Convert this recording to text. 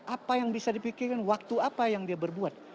apa yang bisa dipikirkan waktu apa yang dia berbuat